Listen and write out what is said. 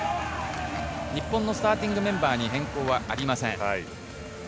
日本のスターティングメンバーに変更はありません。